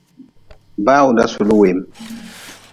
Bawda suli weem.